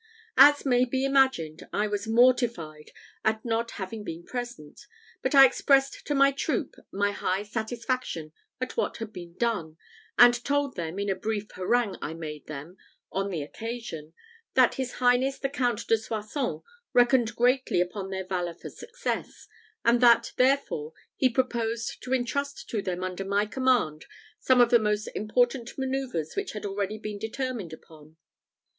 As may be imagined, I was mortified at not having been present; but I expressed to my troop my high satisfaction at what had been done; and told them, in a brief harangue I made them on the occasion, that his highness the Count de Soissons reckoned greatly upon their valour for success; and that, therefore, he proposed to intrust to them, under my command, some of the most important man[oe]uvres which had already been determined upon.